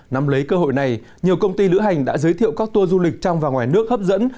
năm lấy cơ hội này nhiều công ty lữ hành đã giới thiệu các tour du lịch trong và ngoài nước hấp dẫn